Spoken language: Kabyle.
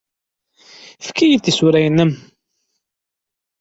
Efk-iyi-d tisura-nnem.